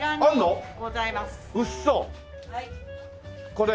これ？